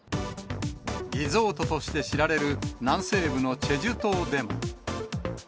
リゾートとして知られる南西部の済州島でも。